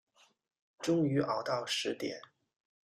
终于熬到十点